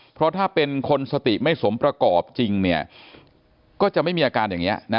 เพราะถ้าเป็นคนสติไม่สมประกอบจริงเนี่ยก็จะไม่มีอาการอย่างนี้นะ